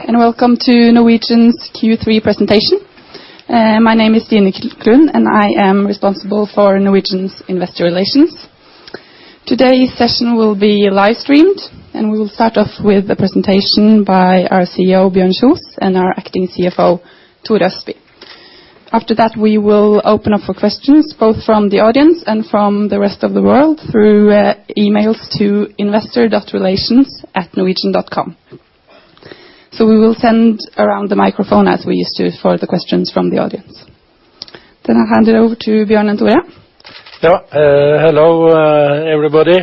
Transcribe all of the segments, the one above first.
Welcome to Norwegian's Q3 presentation. My name is Stine Klund, and I am responsible for Norwegian's investor relations. Today's session will be live-streamed. We will start off with a presentation by our CEO, Bjørn Kjos, and our acting CFO, Tore Østby. After that, we will open up for questions both from the audience and from the rest of the world through emails to investor.relations@norwegian.com. We will send around the microphone as we used to for the questions from the audience. I'll hand it over to Bjørn and Tore. Hello, everybody.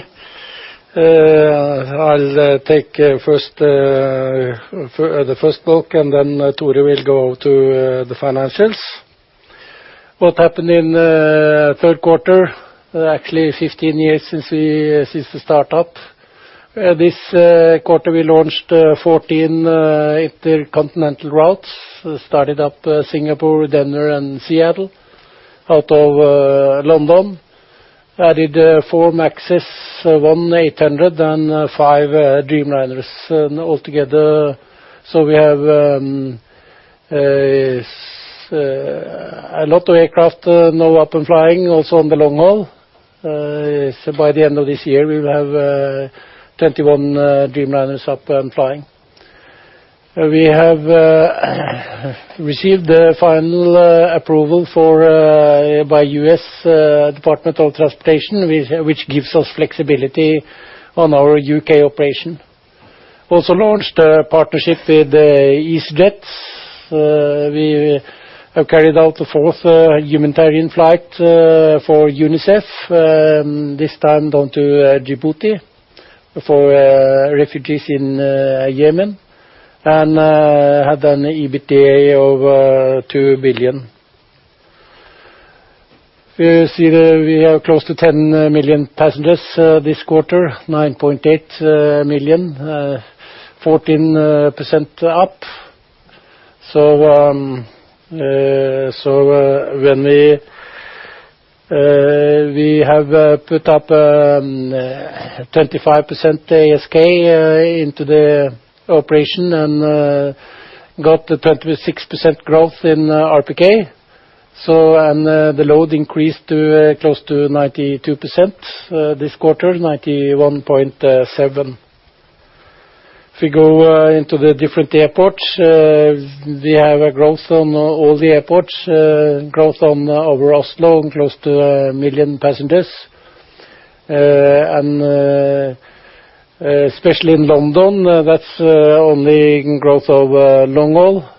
I'll take the first bulk. Tore will go to the financials. What happened in the third quarter, actually 15 years since the start-up. This quarter, we launched 14 intercontinental routes. We started up Singapore, Denver, and Seattle out of London, added four MAXes, one A300, and five Dreamliners altogether. We have a lot of aircraft now up and flying, also on the long haul. By the end of this year, we will have 21 Dreamliners up and flying. We have received the final approval by U.S. Department of Transportation, which gives us flexibility on our U.K. operation. Launched a partnership with easyJet. We have carried out the fourth humanitarian flight for UNICEF, this time down to Djibouti for refugees in Yemen, and had an EBITDA of 2 billion. We have close to 10 million passengers this quarter, 9.8 million, 14% up. We have put up 25% ASK into the operation and got the 26% growth in RPK. The load increased to close to 92% this quarter, 91.7%. If we go into the different airports, we have a growth on all the airports, growth on overall load close to 1 million passengers. Especially in London, that's only growth of long haul,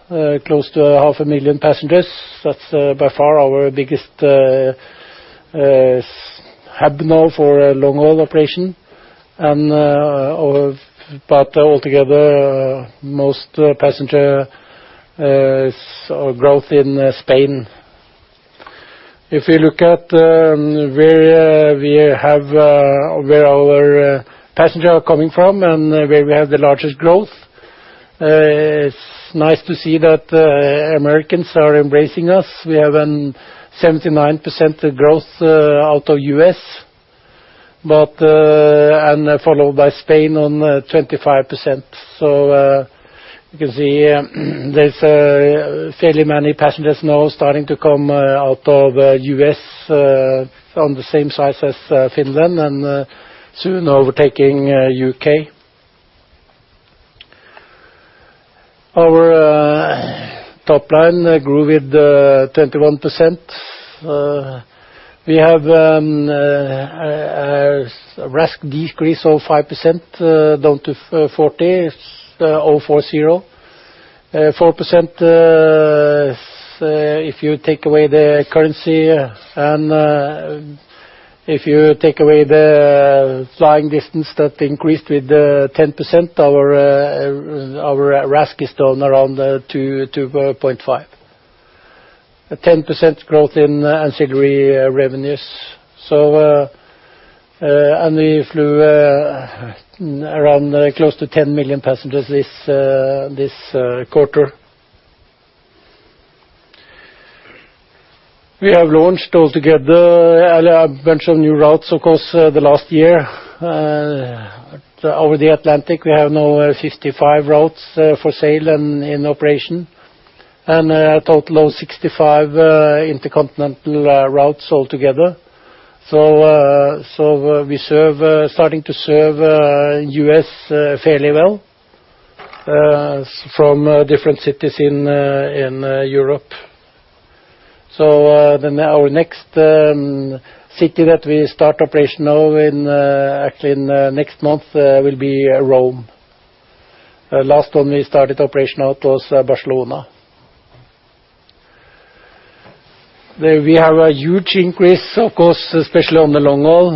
close to half a million passengers. That's by far our biggest hub now for long-haul operation. Altogether, most passenger growth is in Spain. If we look at where our passengers are coming from and where we have the largest growth, it's nice to see that Americans are embracing us. We have a 79% growth out of U.S., and followed by Spain on 25%. You can see there's fairly many passengers now starting to come out of U.S. on the same size as Finland and soon overtaking U.K. Our top line grew with 21%. We have a RASK decrease of 5%, down to 0.40. 4%, if you take away the currency and if you take away the flying distance that increased with 10%, our RASK is down around 2.5%. A 10% growth in ancillary revenues. We flew around close to 10 million passengers this quarter. We have launched altogether a bunch of new routes, of course, the last year. Over the Atlantic, we have now 55 routes for sail and in operation, and a total of 65 intercontinental routes altogether. We're starting to serve U.S. fairly well from different cities in Europe. Our next city that we start operation of, actually in next month, will be Rome. Last one we started operation of was Barcelona. We have a huge increase, of course, especially on the long haul.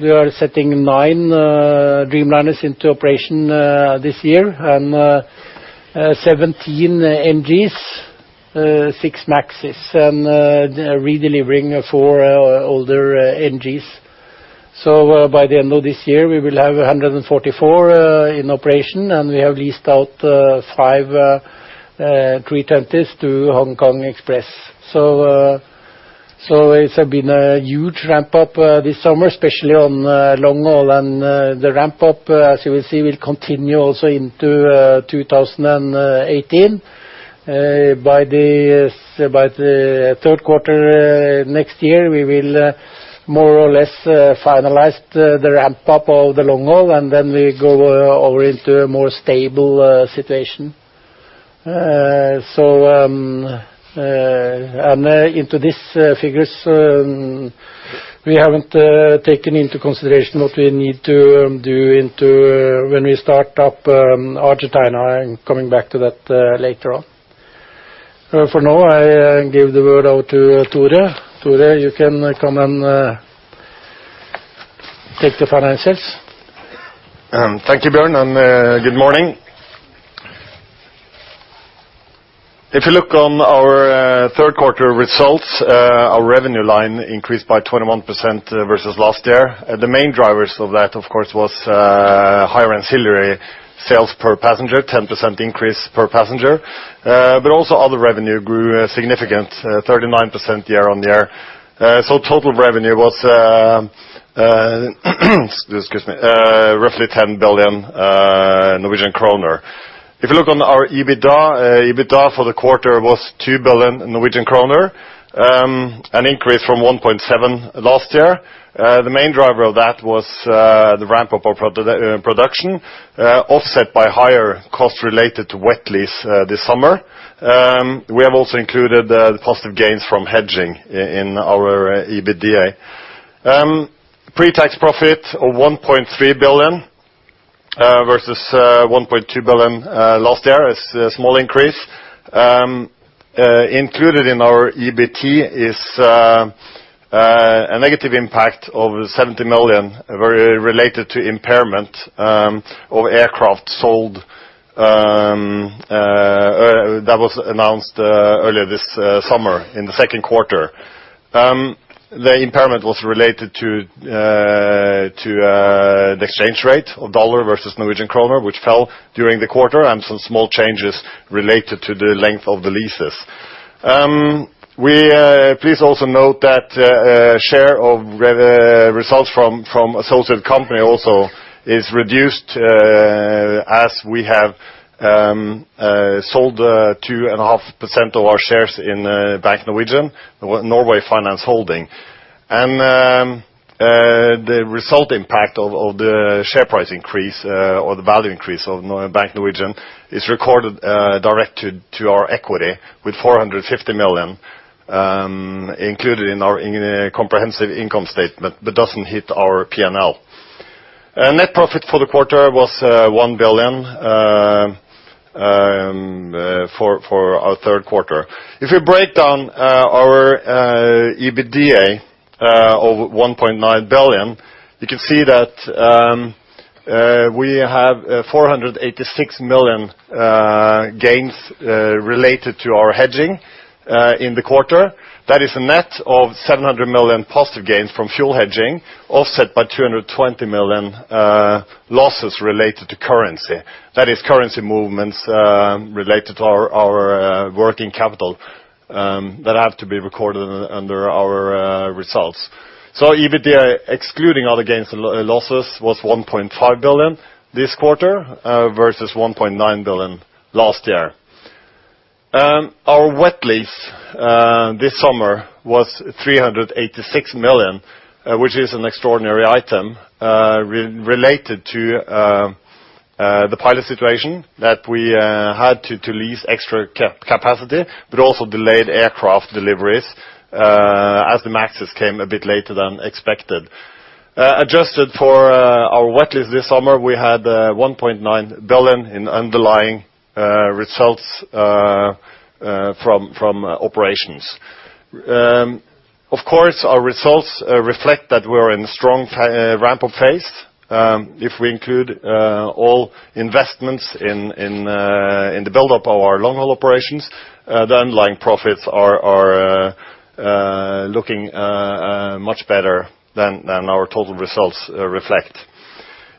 We are setting nine Dreamliners into operation this year and 17 NGs, six MAXes, and redelivering four older NGs. By the end of this year, we will have 144 in operation, and we have leased out five 320s to HK Express. It has been a huge ramp-up this summer, especially on long-haul. The ramp-up, as you will see, will continue also into 2018. By the third quarter next year, we will more or less finalize the ramp-up of the long-haul, then we go over into a more stable situation. Into these figures, we haven't taken into consideration what we need to do when we start up Argentina. I am coming back to that later on. For now, I give the word over to Tore. Tore, you can come and take the financials. Thank you, Bjørn, and good morning. If you look on our third quarter results, our revenue line increased by 21% versus last year. The main drivers of that, of course, was higher ancillary sales per passenger, 10% increase per passenger, but also other revenue grew a significant 39% year-over-year. Total revenue was excuse me, roughly 10 billion Norwegian kroner. If you look on our EBITDA for the quarter was 2 billion Norwegian kroner, an increase from 1.7 billion last year. The main driver of that was the ramp-up of production, offset by higher costs related to wet lease this summer. We have also included the positive gains from hedging in our EBITDA. Pre-tax profit of 1.3 billion, versus 1.2 billion last year. It's a small increase. Included in our EBT is a negative impact of 70 million, related to impairment of aircraft sold. That was announced earlier this summer, in the second quarter. The impairment was related to the exchange rate of U.S. dollar versus Norwegian krone, which fell during the quarter, and some small changes related to the length of the leases. Please also note that share of results from associated company also is reduced, as we have sold 2.5% of our shares in Bank Norwegian Finans Holding. The result impact of the share price increase or the value increase of Bank Norwegian is recorded directly to our equity with 450 million, included in our comprehensive income statement, but doesn't hit our P&L. Net profit for the quarter was 1 billion for our third quarter. If we break down our EBITDA of 1.9 billion, you can see that we have 486 million gains related to our hedging in the quarter. That is a net of 700 million positive gains from fuel hedging, offset by 220 million losses related to currency. That is currency movements related to our working capital that have to be recorded under our results. EBITDA, excluding all the gains and losses, was 1.5 billion this quarter versus 1.9 billion last year. Our wet lease this summer was 386 million, which is an extraordinary item related to the pilot situation that we had to lease extra capacity but also delayed aircraft deliveries as the MAXs came a bit later than expected. Adjusted for our wet lease this summer, we had 1.9 billion in underlying results from operations. Of course, our results reflect that we're in a strong ramp-up phase. If we include all investments in the build-up of our long-haul operations, the underlying profits are looking much better than our total results reflect.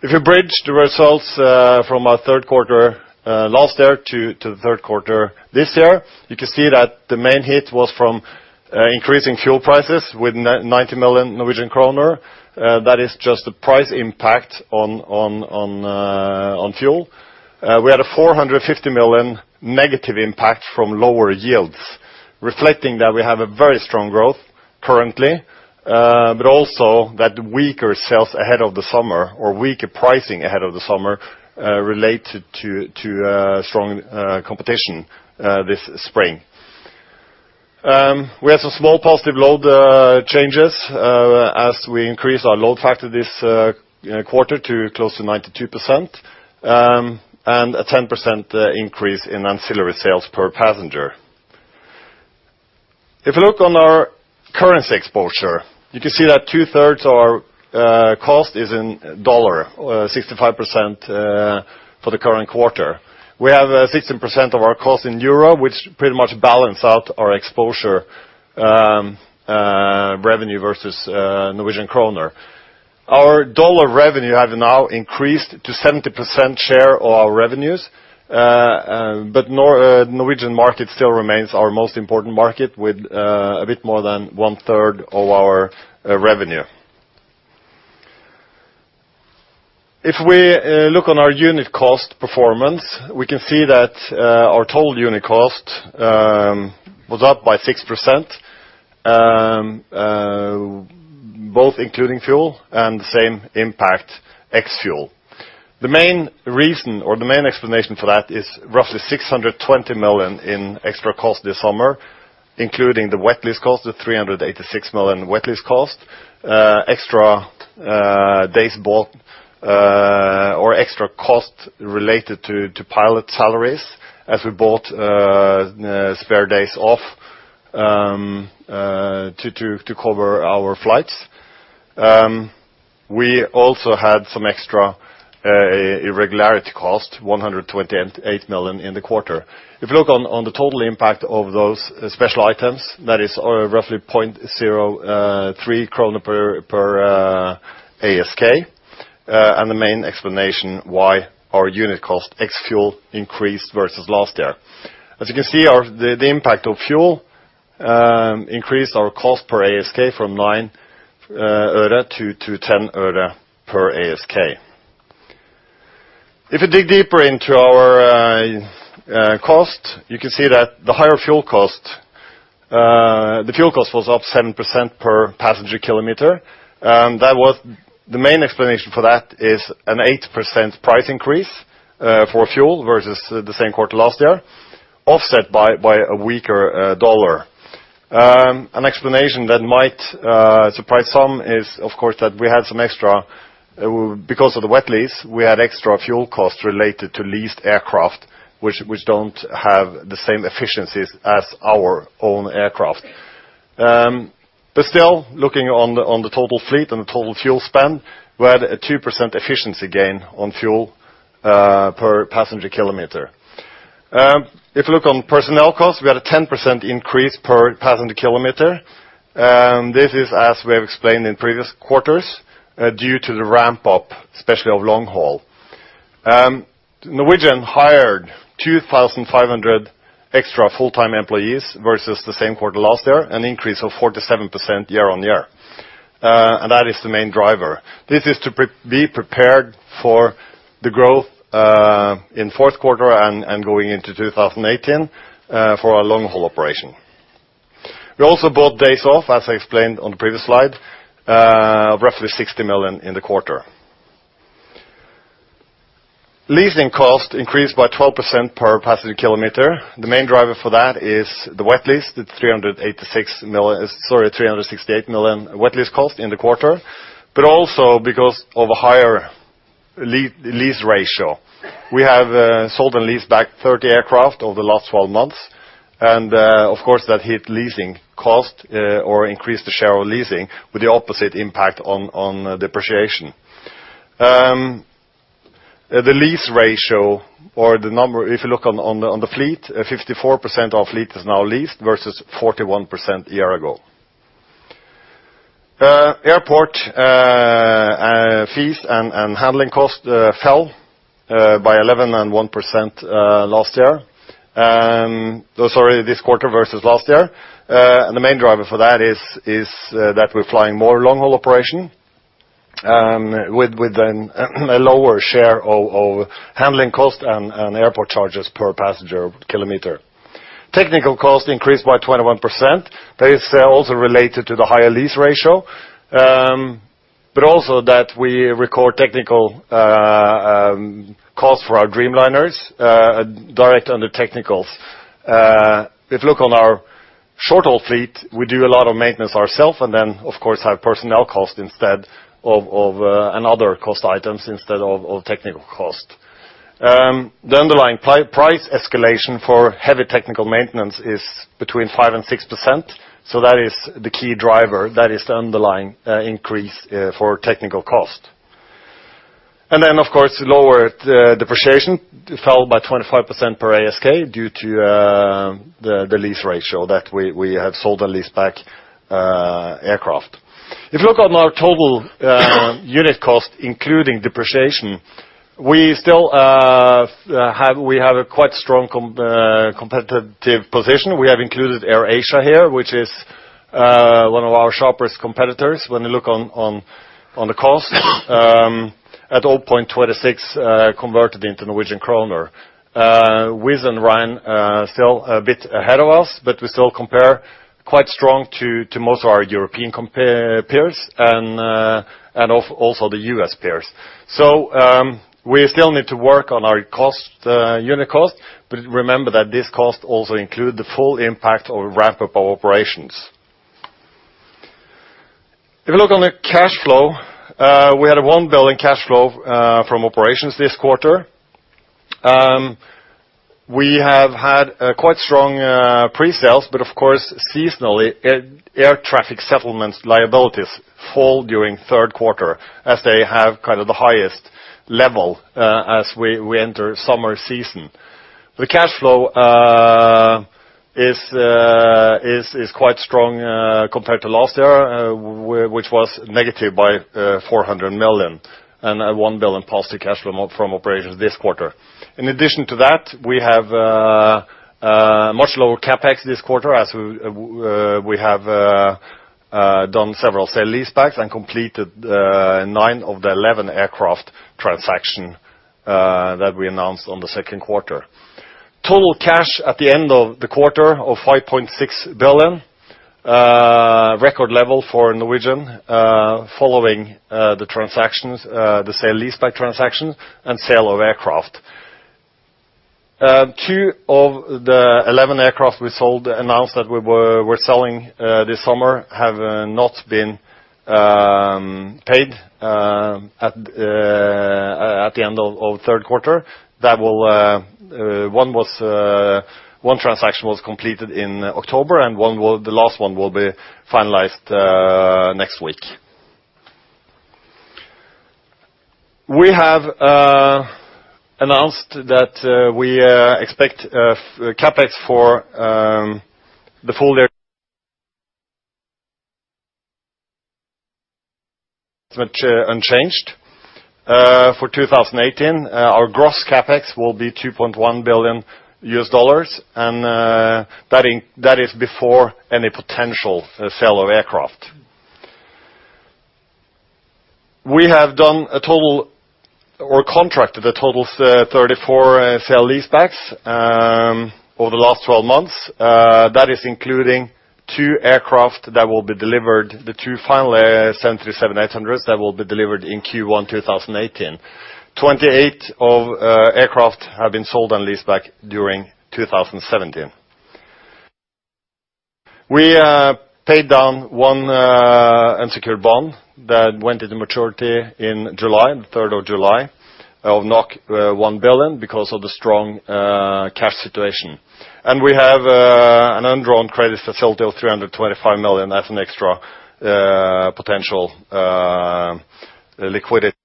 If you bridge the results from our third quarter last year to the third quarter this year, you can see that the main hit was from increasing fuel prices with 90 million Norwegian kroner. That is just the price impact on fuel. We had a 450 million negative impact from lower yields, reflecting that we have a very strong growth currently, but also that weaker sales ahead of the summer or weaker pricing ahead of the summer related to strong competition this spring. We have some small positive load changes as we increase our load factor this quarter to close to 92% and a 10% increase in ancillary sales per passenger. If you look on our currency exposure, you can see that two-thirds of our cost is in U.S. dollar, 65% for the current quarter. We have 16% of our cost in EUR, which pretty much balance out our exposure revenue versus NOK. Our U.S. dollar revenue has now increased to 70% share of our revenues, but Norwegian market still remains our most important market with a bit more than one third of our revenue. If we look on our unit cost performance, we can see that our total unit cost was up by 6%, both including fuel and the same impact ex-fuel. The main reason or the main explanation for that is roughly 620 million in extra cost this summer, including the wet lease cost, the 386 million wet lease cost, extra days bought or extra cost related to pilot salaries as we bought spare days off to cover our flights. We also had some extra irregularity cost, 128 million in the quarter. If you look on the total impact of those special items, that is roughly 0.03 krone per ASK, and the main explanation why our unit cost ex-fuel increased versus last year. As you can see, the impact of fuel increased our cost per ASK from 0.09 to 0.10 per ASK. If we dig deeper into our cost, you can see that the higher fuel cost. The fuel cost was up 7% per passenger kilometer. The main explanation for that is an 8% price increase for fuel versus the same quarter last year, offset by a weaker U.S. dollar. An explanation that might surprise some is, of course, that because of the wet lease, we had extra fuel cost related to leased aircraft, which don't have the same efficiencies as our own aircraft. Still, looking on the total fleet and the total fuel spend, we had a 2% efficiency gain on fuel per passenger kilometer. If you look on personnel costs, we had a 10% increase per passenger kilometer. This is, as we have explained in previous quarters, due to the ramp-up, especially of long-haul. Norwegian hired 2,500 extra full-time employees versus the same quarter last year, an increase of 47% year-on-year. That is the main driver. This is to be prepared for the growth in fourth quarter and going into 2018 for our long-haul operation. We also bought days off, as I explained on the previous slide, roughly 60 million in the quarter. Leasing cost increased by 12% per passenger kilometer. The main driver for that is the wet lease. It is 368 million wet lease cost in the quarter, but also because of a higher lease ratio. We have sold and leased back 30 aircraft over the last 12 months, of course that hit leasing cost or increased the share of leasing with the opposite impact on depreciation. The lease ratio or the number, if you look on the fleet, 54% of fleet is now leased versus 41% a year-ago. Airport fees and handling cost fell by 11.1% this quarter versus last year. The main driver for that is that we are flying more long-haul operation, with a lower share of handling cost and airport charges per passenger kilometer. Technical cost increased by 21%. They are related to the higher lease ratio, but also that we record technical cost for our Dreamliners direct under technicals. If you look on our short-haul fleet, we do a lot of maintenance ourselves and then of course have personnel cost and other cost items instead of technical cost. The underlying price escalation for heavy technical maintenance is between 5%-6%. That is the key driver. That is the underlying increase for technical cost. Then, of course, lower depreciation fell by 25% per ASK due to the lease ratio that we have sold and leased back aircraft. If you look on our total unit cost, including depreciation, we have a quite strong competitive position. We have included AirAsia here, which is one of our sharpest competitors when you look on the cost at 0.26 converted into Norwegian krone. Wizz and Ryanair are still a bit ahead of us, but we still compare quite strong to most of our European peers and also the U.S. peers. We still need to work on our unit cost, but remember that this cost also include the full impact of ramp-up operations. If you look on the cash flow, we had 1 billion cash flow from operations this quarter. We have had quite strong pre-sales, but of course, seasonally, air traffic settlements liabilities fall during third quarter as they have the highest level as we enter summer season. The cash flow is quite strong compared to last year, which was negative by 400 million and 1 billion positive cash from operations this quarter. In addition to that, we have a much lower CapEx this quarter as we have done several sale-leasebacks and completed 9 of the 11 aircraft transaction that we announced on the second quarter. Total cash at the end of the quarter of 5.6 billion. A record level for Norwegian, following the sale-leaseback transactions and sale of aircraft. Two of the 11 aircraft we announced that we were selling this summer, have not been paid at the end of third quarter. One transaction was completed in October. The last one will be finalized next week. We have announced that we expect CapEx for the full year much unchanged. For 2018, our gross CapEx will be $2.1 billion, that is before any potential sale of aircraft. We have contracted a total of 34 sale-leasebacks over the last 12 months. That is including two aircraft, the two final Boeing 737-800s that will be delivered in Q1 2018. 28 aircraft have been sold on leaseback during 2017. We paid down one unsecured bond that went into maturity in the 3rd of July of 1 billion because of the strong cash situation. We have an undrawn credit facility of 325 million as an extra potential liquidity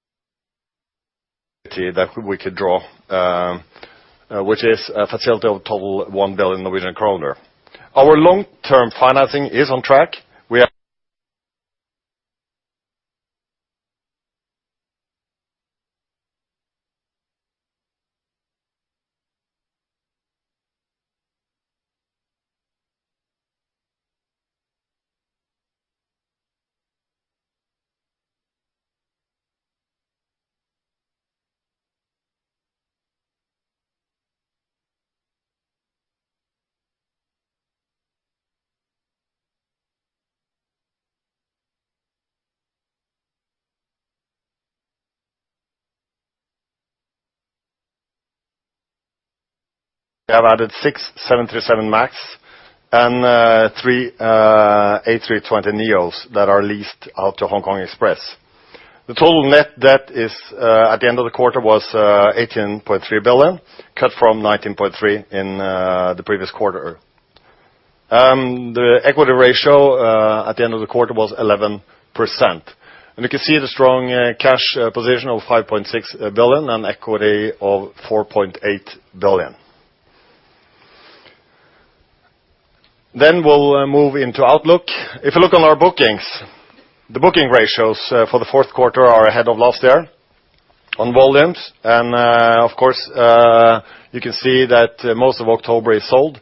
that we could draw, which is a facility of total 1 billion Norwegian kroner. Our long-term financing is on track. We have added 6 Boeing 737 MAX and 3 A320neos that are leased out to HK Express. The total net debt at the end of the quarter was 18.3 billion, cut from 19.3 billion in the previous quarter. The equity ratio at the end of the quarter was 11%. You can see the strong cash position of 5.6 billion and equity of 4.8 billion. We'll move into outlook. If you look on our bookings, the booking ratios for the fourth quarter are ahead of last year on volumes. Of course, you can see that most of October is sold.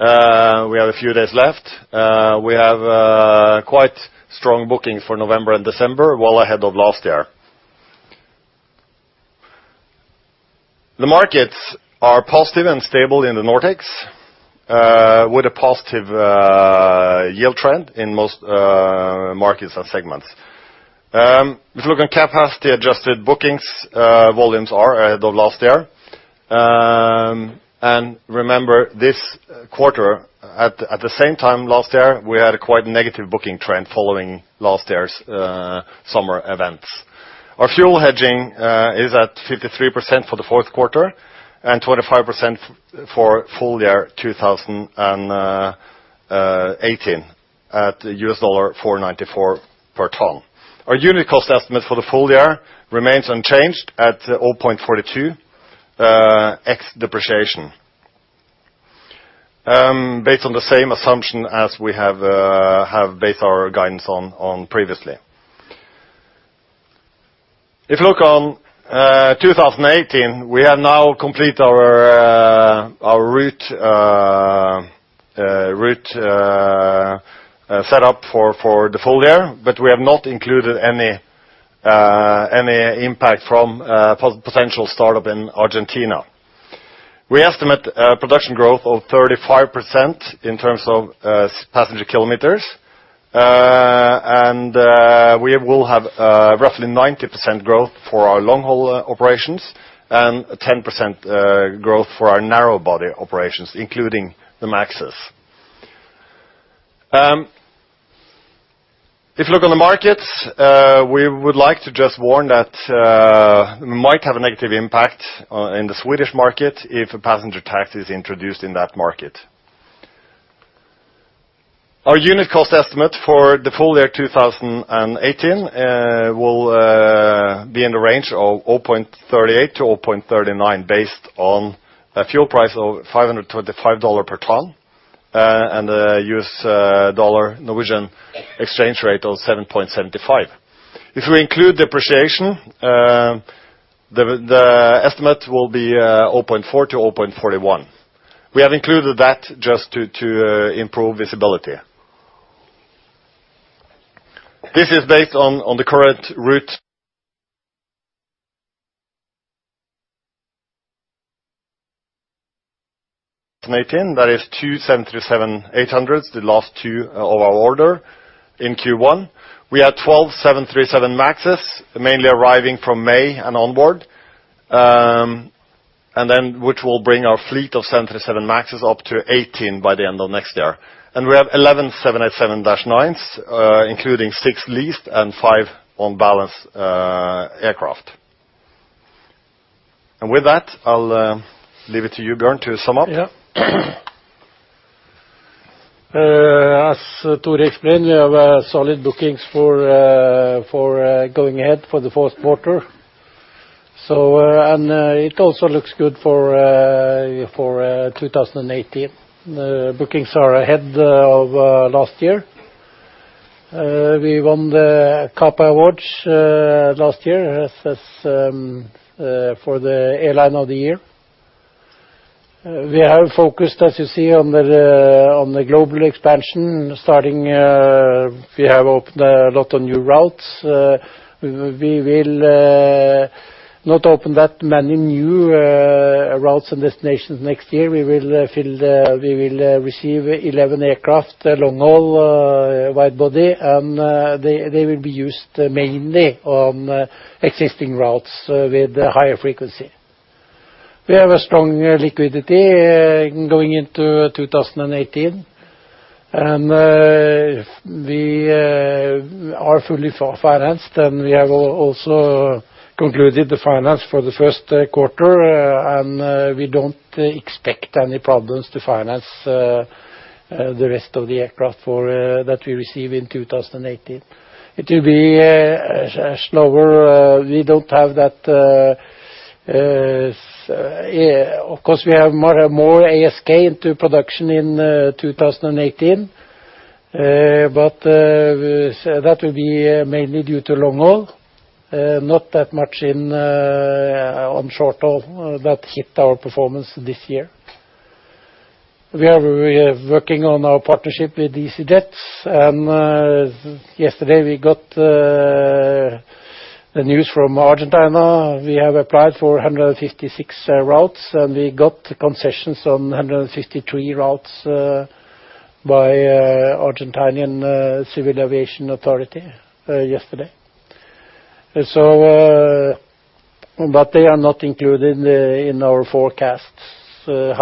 We have a few days left. We have quite strong booking for November and December, well ahead of last year. The markets are positive and stable in the Nordics, with a positive yield trend in most markets and segments. If you look on capacity adjusted bookings, volumes are ahead of last year. Remember, this quarter at the same time last year, we had a quite negative booking trend following last year's summer events. Our fuel hedging is at 53% for the fourth quarter and 25% for full year 2018 at $4.94 per ton. Our unit cost estimate for the full year remains unchanged at 0.42 ex depreciation. Based on the same assumption as we have based our guidance on previously. If you look on 2018, we have now complete our route set up for the full year, but we have not included any impact from potential startup in Argentina. We estimate a production growth of 35% in terms of passenger kilometers. We will have roughly 90% growth for our long-haul operations and 10% growth for our narrow-body operations, including the MAXs. If you look on the markets, we would like to just warn that might have a negative impact in the Swedish market if a passenger tax is introduced in that market. Our unit cost estimate for the full year 2018 will be in the range of 0.38-0.39, based on a fuel price of $525 per ton, and a US dollar Norwegian exchange rate of 7.75. If we include depreciation, the estimate will be 0.4-0.41. We have included that just to improve visibility. This is based on the current route 2018. That is two Boeing 737-800s, the last two of our order in Q1. We have 12 737 MAXs, mainly arriving from May and onward, which will bring our fleet of 737 MAXs up to 18 by the end of next year. We have 11 787-9s, including six leased and five on balance aircraft. With that, I'll leave it to you, Bjørn, to sum up. Yeah. As Tore explained, we have solid bookings for going ahead for the fourth quarter. It also looks good for 2018. Bookings are ahead of last year. We won the CAPA Awards last year for the Airline of the Year. We have focused, as you see, on the global expansion. We have opened a lot of new routes. We will not open that many new routes and destinations next year. We will receive 11 aircraft, long-haul wide-body. They will be used mainly on existing routes with higher frequency. We have a strong liquidity going into 2018. We are fully financed. We have also concluded the finance for the first quarter. We don't expect any problems to finance the rest of the aircraft that we receive in 2018. It will be slower. Of course, we have more ASK into production in 2018. That will be mainly due to long-haul, not that much on short-haul that hit our performance this year. We are working on our partnership with easyJet. Yesterday we got the news from Argentina. We have applied for 156 routes. We got the concessions on 153 routes by Argentinian Civil Aviation Authority yesterday. They are not included in our forecasts. Of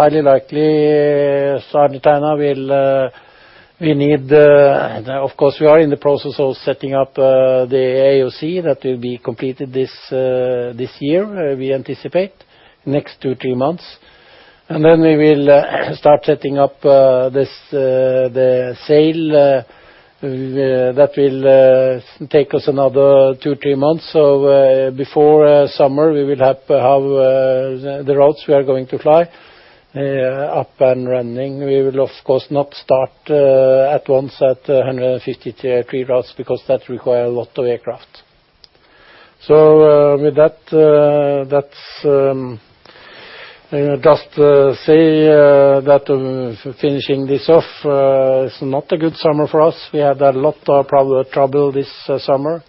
course, we are in the process of setting up the AOC that will be completed this year, we anticipate, next two, three months. Then we will start setting up the sale-leaseback. That will take us another two, three months. Before summer, we will have the routes we are going to fly up and running. We will, of course, not start at once at 153 routes because that require a lot of aircraft. With that, just say that finishing this off, it's not a good summer for us. We had a lot of trouble this summer.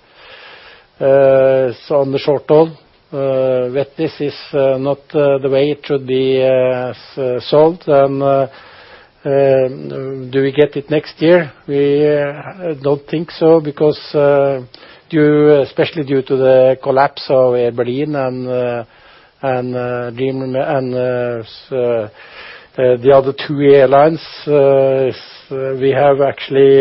On the short-haul, wet lease is not the way it should be sold. Do we get it next year? We don't think so, especially due to the collapse of Air Berlin and the other two airlines. We have actually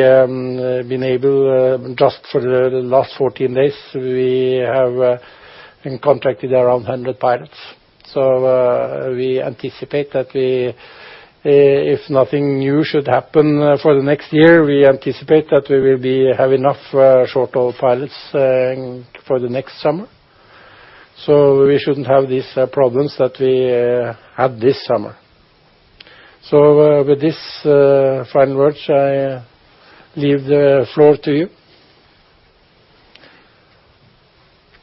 been able, just for the last 14 days, we have contracted around 100 pilots. If nothing new should happen for the next year, we anticipate that we will have enough short-haul pilots for the next summer. We shouldn't have these problems that we had this summer. With these final words, I leave the floor to you.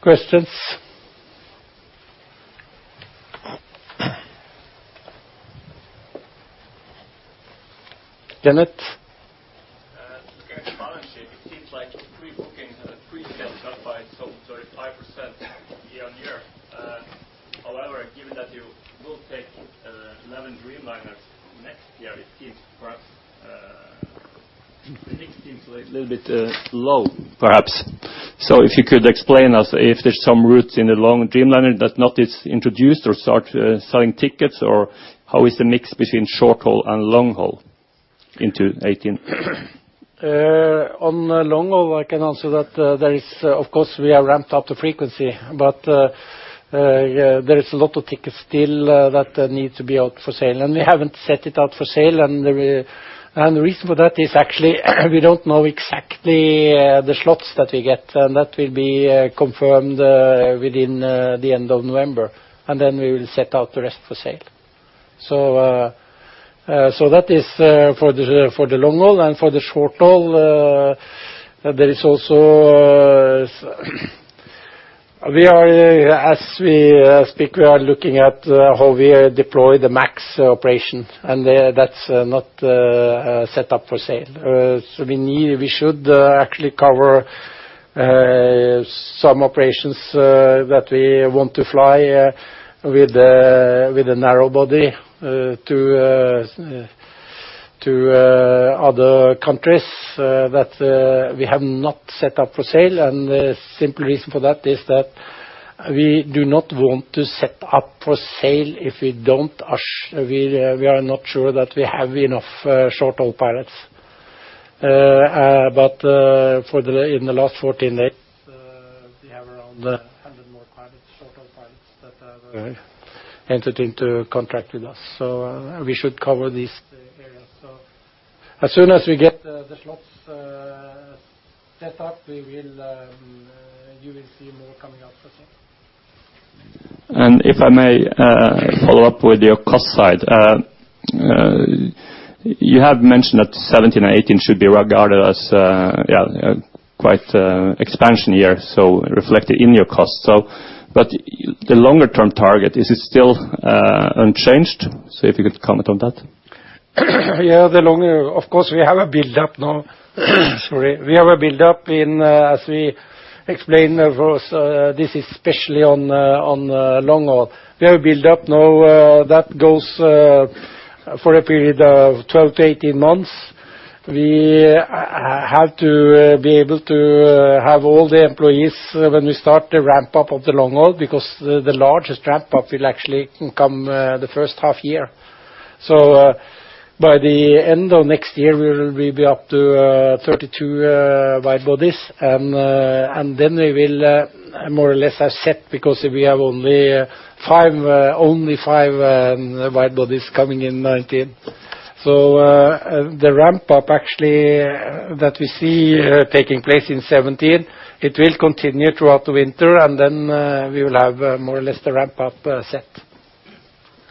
Questions? Janet? Regarding the balance sheet, it seems like pre-bookings and presales are up by some 35% year-over-year. However, given that you will take 11 Dreamliners next year, the mix seems a little bit low, perhaps. If you could explain us if there's some routes in the long Dreamliner that is not introduced or start selling tickets, or how is the mix between short-haul and long-haul into 2018? On long-haul, I can answer that there is, of course, we have ramped up the frequency. There is a lot of tickets still that need to be out for sale. We haven't set it out for sale, and the reason for that is actually we don't know exactly the slots that we get, and that will be confirmed within the end of November. Then we will set out the rest for sale. That is for the long haul. For the short haul, as we speak, we are looking at how we deploy the MAX operation. That's not set up for sale. We should actually cover some operations that we want to fly with a narrow-body to other countries that we have not set up for sale. The simple reason for that is that we do not want to set up for sale if we are not sure that we have enough short-haul pilots. In the last 14 days, we have around 100 more short-haul pilots. Right entered into a contract with us. We should cover these areas. As soon as we get the slots set up, you will see more coming up for sale. If I may follow up with your cost side. You have mentioned that 2017 and 2018 should be regarded as quite expansion years, so reflected in your costs. The longer-term target, is it still unchanged? If you could comment on that. Of course, we have a build-up now. We have a build-up in, as we explained, this is especially on long haul. We have a build-up now that goes for a period of 12 to 18 months. We have to be able to have all the employees when we start the ramp-up of the long haul, because the largest ramp-up will actually come the first half year. By the end of next year, we will be up to 32 wide bodies, and then we will more or less are set because we have only five wide bodies coming in 2019. The ramp-up actually that we see taking place in 2017, it will continue throughout the winter, and then we will have more or less the ramp-up set.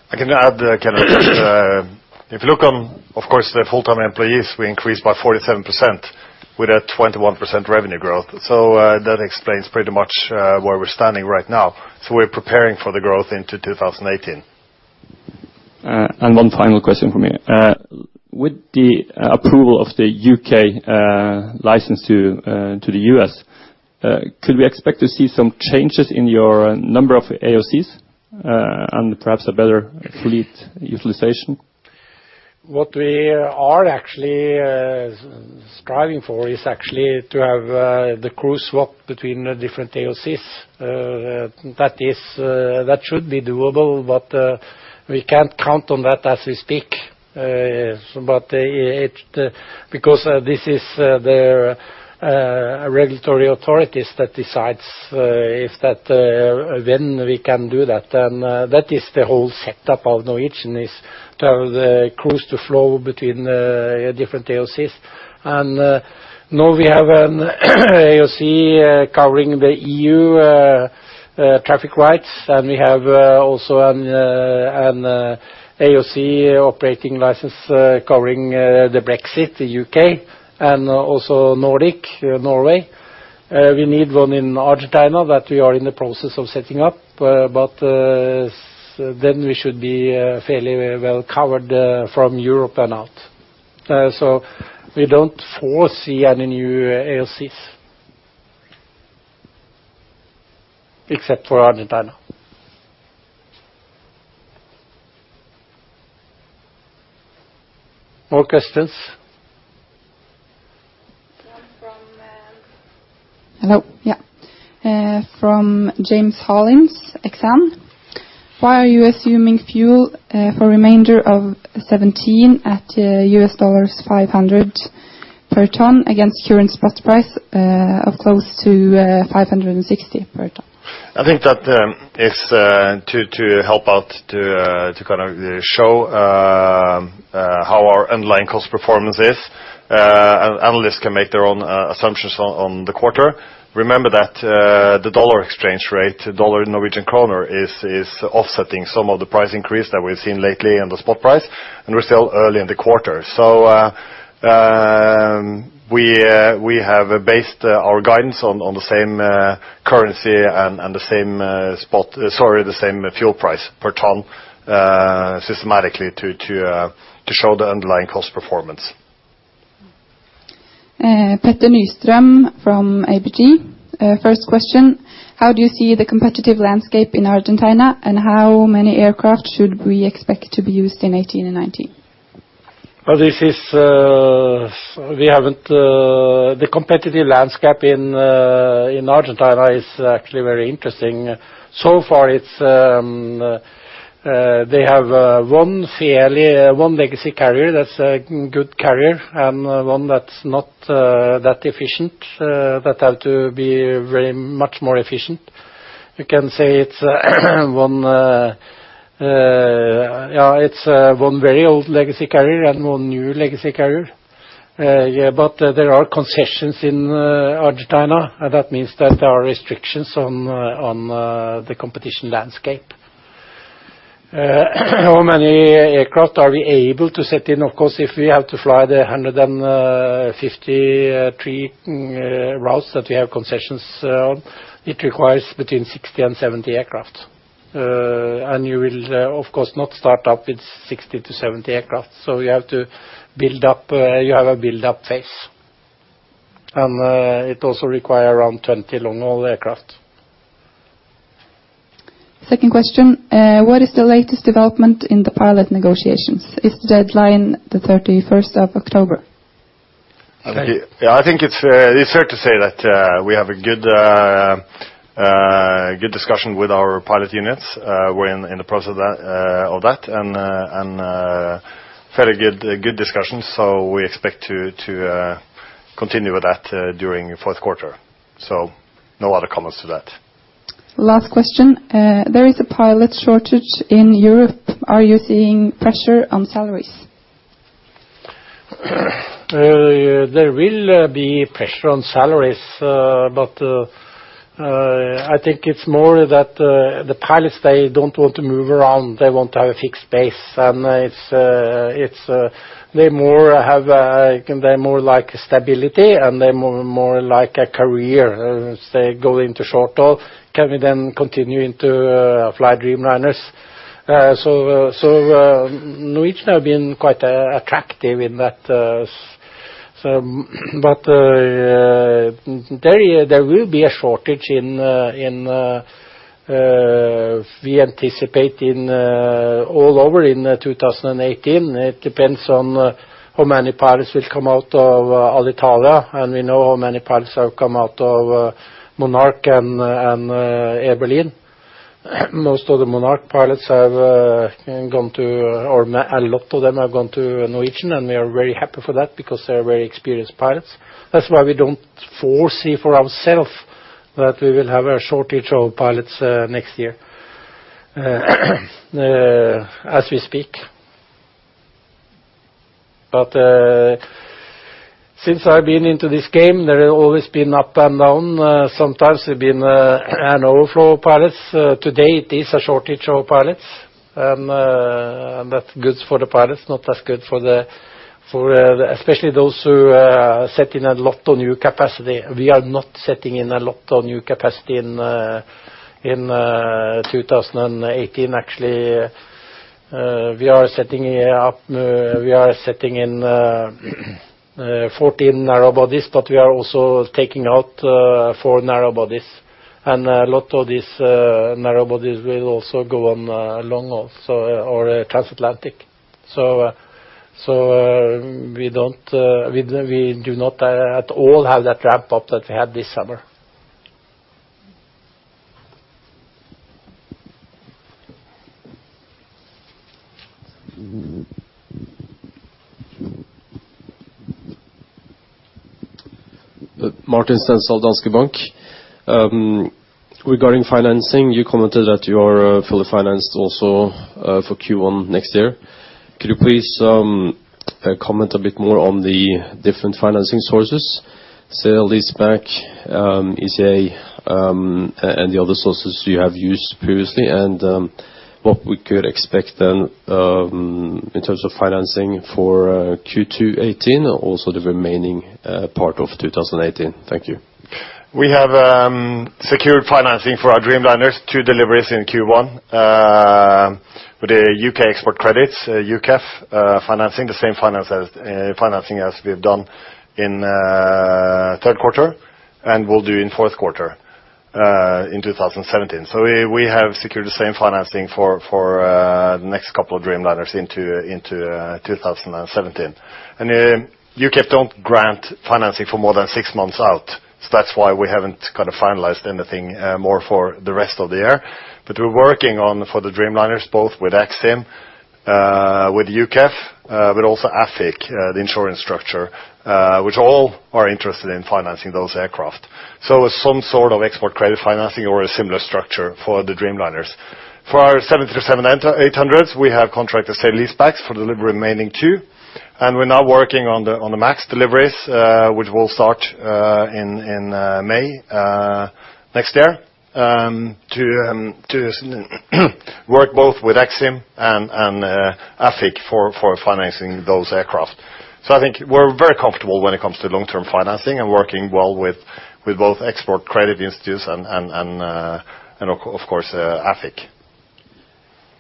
I can add, Kenneth. If you look on, of course, the full-time employees, we increased by 47% with a 21% revenue growth. That explains pretty much where we're standing right now. We're preparing for the growth into 2018. One final question from me. With the approval of the U.K. license to the U.S., could we expect to see some changes in your number of AOCs, and perhaps a better fleet utilization? What we are actually striving for is actually to have the crew swap between the different AOCs. That should be doable, but we can't count on that as we speak. This is the regulatory authorities that decides when we can do that. That is the whole setup of Norwegian is to have the crews to flow between different AOCs. Now we have an AOC covering the EU traffic rights, and we have also an AOC operating license covering the Brexit, the U.K., and also Nordic, Norway. We need one in Argentina that we are in the process of setting up. We should be fairly well covered from Europe and out. We don't foresee any new AOCs except for Argentina. More questions? One from Hello? Yeah. From James Hollins, Exane. Why are you assuming fuel for remainder of 2017 at $500 per ton against current spot price of close to 560 per ton? I think that is to help out to show how our underlying cost performance is. Analysts can make their own assumptions on the quarter. Remember that the dollar exchange rate, dollar to Norwegian kroner, is offsetting some of the price increase that we've seen lately in the spot price, and we're still early in the quarter. We have based our guidance on the same currency and the same fuel price per ton systematically to show the underlying cost performance. Petter Nystrøm from ABG. First question, how do you see the competitive landscape in Argentina, and how many aircraft should we expect to be used in 2018 and 2019? The competitive landscape in Argentina is actually very interesting. So far, they have one legacy carrier that's a good carrier and one that's not that efficient, that have to be very much more efficient. You can say it's one very old legacy carrier and one new legacy carrier. There are concessions in Argentina, and that means that there are restrictions on the competition landscape. How many aircraft are we able to set in? Of course, if we have to fly the 153 routes that we have concessions on, it requires between 60 and 70 aircraft. You will, of course, not start up with 60 to 70 aircraft. You have a build-up phase. It also require around 20 long-haul aircraft. Second question, what is the latest development in the pilot negotiations? Is the deadline the 31st of October? I think it's fair to say that we have a good discussion with our pilot units. We're in the process of that, and very good discussions. We expect to continue with that during fourth quarter. No other comments to that. Last question. There is a pilot shortage in Europe. Are you seeing pressure on salaries? There will be pressure on salaries, I think it's more that the pilots, they don't want to move around. They want to have a fixed base. They more like stability, and they more like a career. Say, go into short-haul, can we then continue into fly Dreamliners? Norwegian has been quite attractive in that. There will be a shortage, we anticipate, all over in 2018. It depends on how many pilots will come out of Alitalia, and we know how many pilots have come out of Monarch and Air Berlin. Most of the Monarch pilots, a lot of them have gone to Norwegian, and we are very happy for that because they are very experienced pilots. That's why we don't foresee for ourself that we will have a shortage of pilots next year, as we speak. Since I've been into this game, there have always been up and down. Sometimes we've been an overflow of pilots. Today, it is a shortage of pilots. That's good for the pilots, not as good for especially those who set in a lot of new capacity. We are not setting in a lot of new capacity in 2018. Actually, we are setting in 14 narrow bodies, but we are also taking out four narrow bodies. A lot of these narrow bodies will also go on long-haul or transatlantic. We do not at all have that ramp up that we had this summer. Martin Stensrud, Danske Bank. Regarding financing, you commented that you are fully financed also for Q1 next year. Could you please comment a bit more on the different financing sources? Sale-leaseback, ECA, and the other sources you have used previously, and what we could expect then in terms of financing for Q2 2018, also the remaining part of 2018. Thank you. We have secured financing for our Dreamliners. Two deliveries in Q1. With the U.K. export credits, UKEF. Financing the same financing as we've done in third quarter, and will do in fourth quarter in 2017. We have secured the same financing for the next couple of Dreamliners into 2017. UKEF don't grant financing for more than six months out. That's why we haven't finalized anything more for the rest of the year. We're working on for the Dreamliners, both with EXIM, with UKEF, but also AFIC, the insurance structure, which all are interested in financing those aircraft. It's some sort of export credit financing or a similar structure for the Dreamliners. For our 737-800s, we have contracted sale-leasebacks for deliver remaining two. We're now working on the MAX deliveries, which will start in May next year, to work both with EXIM and AFIC for financing those aircraft. I think we're very comfortable when it comes to long-term financing and working well with both export credit institutes and, of course, AFIC.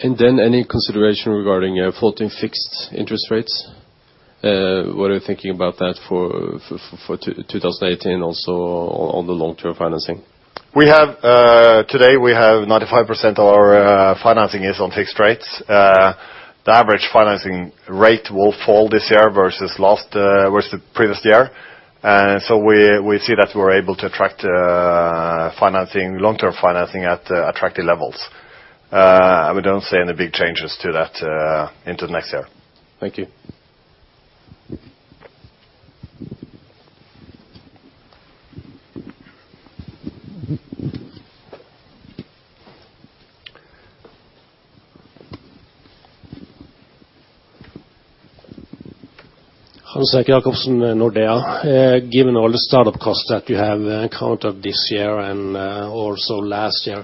Any consideration regarding floating fixed interest rates? What are you thinking about that for 2018, also on the long-term financing? Today, we have 95% of our financing is on fixed rates. The average financing rate will fall this year versus the previous year. We see that we're able to attract long-term financing at attractive levels. We don't see any big changes to that into next year. Thank you. Hans-Erik Jacobsen, Nordea. Given all the start-up costs that you have encountered this year and also last year,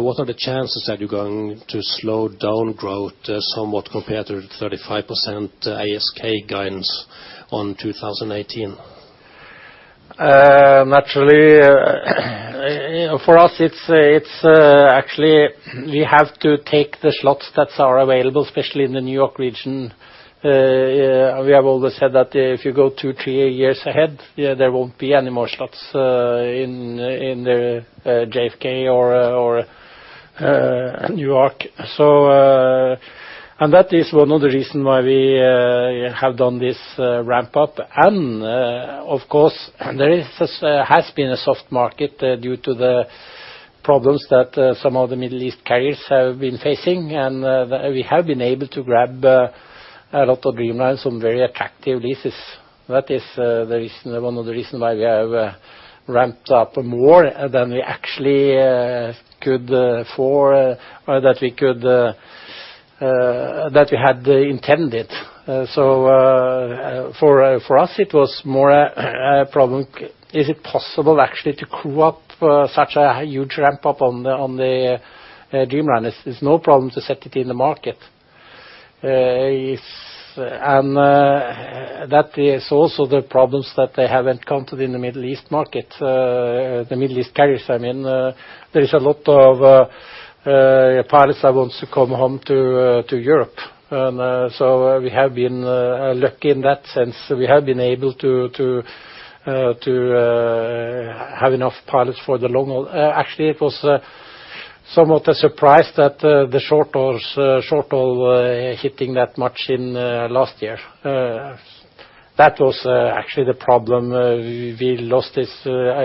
what are the chances that you're going to slow down growth somewhat compared to the 35% ASK guidance on 2018? Naturally, for us, we have to take the slots that are available, especially in the New York region. We have always said that if you go two, three years ahead, there won't be any more slots in JFK or New York. That is another reason why we have done this ramp-up. Of course, there has been a soft market due to the problems that some of the Middle East carriers have been facing, and we have been able to grab a lot of Dreamliners on very attractive leases. That is one of the reasons why we have ramped up more than we had intended. For us, it was more a problem, is it possible actually to crew up such a huge ramp-up on the Dreamliners? It's no problem to set it in the market. That is also the problems that they have encountered in the Middle East market, the Middle East carriers, I mean. There is a lot of pilots that want to come home to Europe. We have been lucky in that sense. We have been able to have enough pilots for the long haul. Actually, it was somewhat a surprise that the short haul hitting that much in last year. That was actually the problem.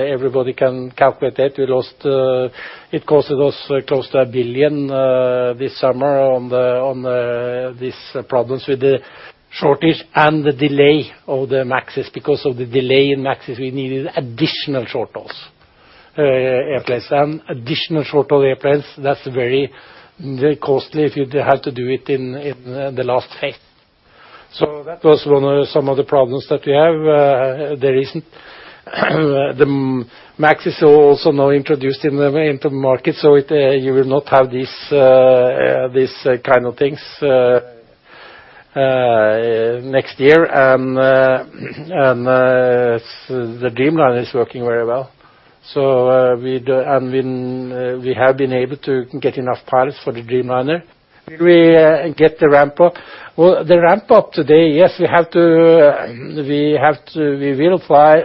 Everybody can calculate it. It cost us close to 1 billion this summer on these problems with the shortage and the delay of the MAXs. Because of the delay in MAXs, we needed additional short haul airplanes. Additional short haul airplanes, that's very costly if you have to do it in the last phase. That was some of the problems that we have. The MAX is also now introduced into the market. You will not have these kind of things next year. The Dreamliner is working very well. We have been able to get enough pilots for the Dreamliner. We get the ramp-up. Well, the ramp-up today, yes, we will fly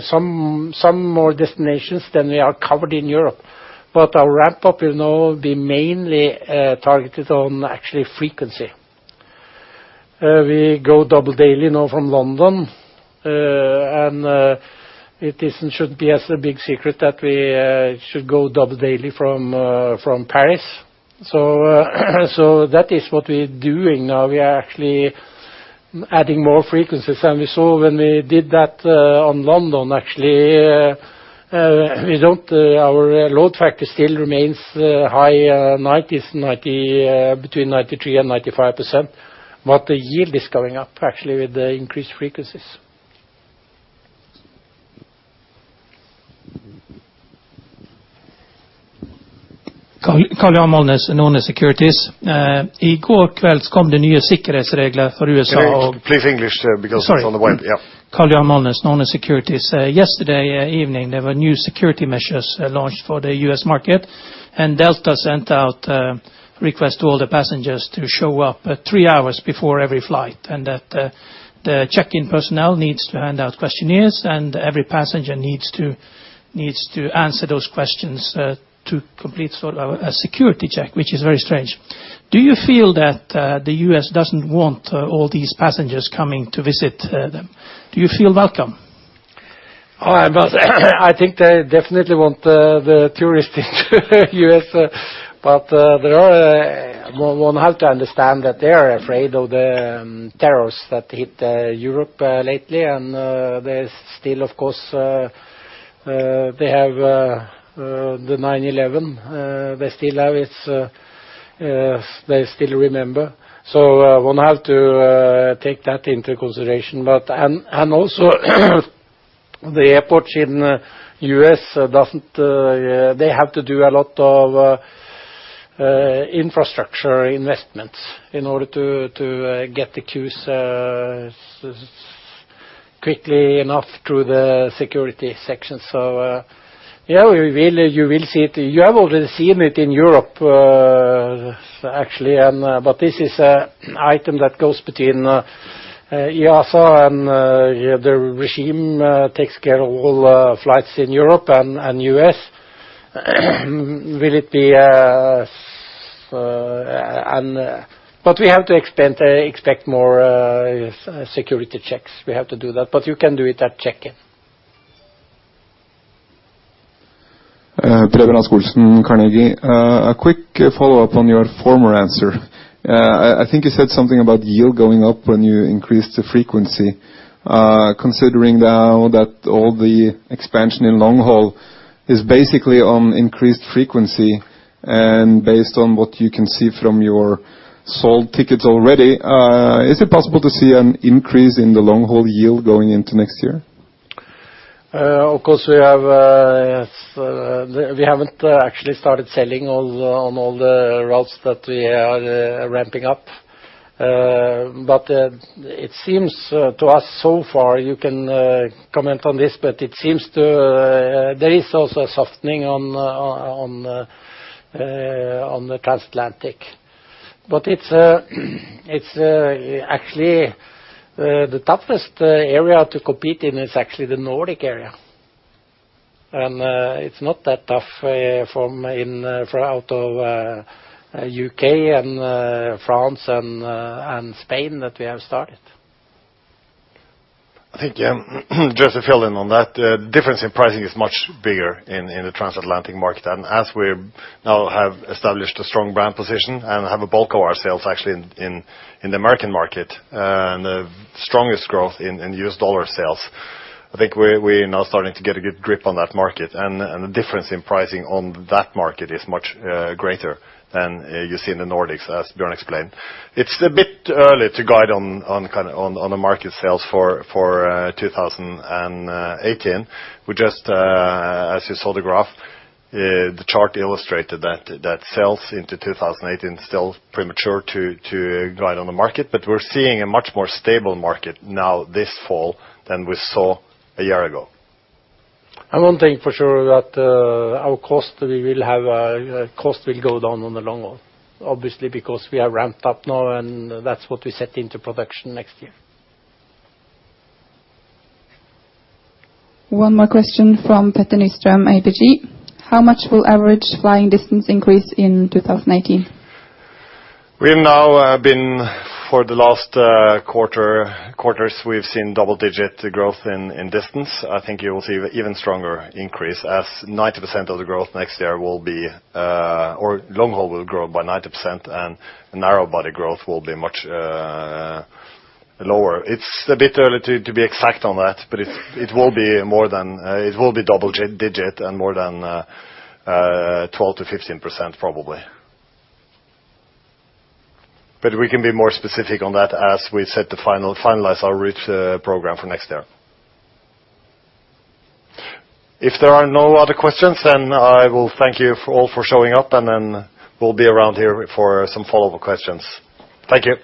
some more destinations than we are covered in Europe, but our ramp-up will now be mainly targeted on actually frequency. We go double daily now from London. It shouldn't be as a big secret that we should go double daily from Paris. That is what we're doing now. We are actually adding more frequencies. We saw when we did that on London, actually, our load factor still remains high 90s, between 93% and 95%, but the yield is going up actually with the increased frequencies. Karl-Johan Molnes, Norne Securities. Please English because it's on the web. Yeah. Sorry. Karl-Johan Molnes, Norne Securities. Yesterday evening, there were new security measures launched for the U.S. market, Delta sent out a request to all the passengers to show up 3 hours before every flight, that the check-in personnel needs to hand out questionnaires, and every passenger needs to answer those questions to complete a security check, which is very strange. Do you feel that the U.S. doesn't want all these passengers coming to visit them? Do you feel welcome? I think they definitely want the tourists into U.S., one have to understand that they are afraid of the terrors that hit Europe lately, they still, of course, they have the 9/11. They still remember. One have to take that into consideration. Also, the airports in the U.S., they have to do a lot of infrastructure investments in order to get the queues quickly enough through the security section. Yeah, you have already seen it in Europe, actually, this is an item that goes between EASA and the regime takes care of all flights in Europe and U.S. We have to expect more security checks. We have to do that, but you can do it at check-in. Preben Ascoulson, Carnegie. A quick follow-up on your former answer. I think you said something about yield going up when you increased the frequency. Considering now that all the expansion in long-haul is basically on increased frequency, based on what you can see from your sold tickets already, is it possible to see an increase in the long-haul yield going into next year? Of course, we haven't actually started selling on all the routes that we are ramping up. It seems to us so far, you can comment on this, but there is also a softening on the transatlantic. Actually, the toughest area to compete in is actually the Nordic area. It's not that tough from out of U.K. and France and Spain that we have started. I think, just to fill in on that, difference in pricing is much bigger in the transatlantic market. As we now have established a strong brand position and have a bulk of our sales actually in the American market, and the strongest growth in U.S. dollar sales, I think we're now starting to get a good grip on that market. The difference in pricing on that market is much greater than you see in the Nordics, as Bjørn explained. It's a bit early to guide on the market sales for 2018. As you saw the graph, the chart illustrated that sales into 2018 still premature to guide on the market. We're seeing a much more stable market now this fall than we saw a year ago. One thing for sure, that our cost will go down on the long-haul. Obviously, because we are ramped up now, that's what we set into production next year. One more question from Petter Nystrøm, ABG. How much will average flying distance increase in 2018? We've now been for the last quarters, we've seen double-digit growth in distance. I think you will see even stronger increase as 90% of the growth next year or long-haul will grow by 90%, and narrow-body growth will be much lower. It's a bit early to be exact on that, but it will be double-digit and more than 12%-15%, probably. We can be more specific on that as we finalize our route program for next year. If there are no other questions, I will thank you all for showing up, and we'll be around here for some follow-up questions. Thank you.